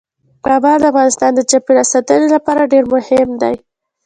کابل د افغانستان د چاپیریال ساتنې لپاره ډیر مهم دی.